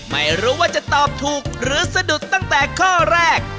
ไม่รู้ว่าจะตอบถูกหรือสะดุดตั้งแต่ข้อแรก